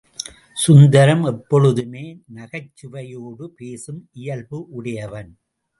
சுந்தரம் எப்பொழுதுமே நகைச்சுவையோடு பேசும் இயல்பு உடையவன்.